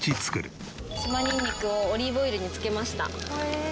島ニンニクをオリーブオイルに漬けました。